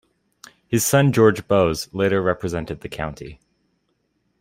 His son George Bowes, later represented the County.